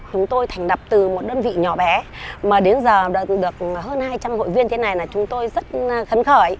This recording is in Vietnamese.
chúng tôi thành lập từ một đơn vị nhỏ bé mà đến giờ được hơn hai trăm linh hội viên thế này là chúng tôi rất khấn khởi